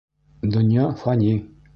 Донъя фани.